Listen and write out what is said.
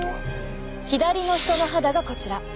左の人の肌がこちら。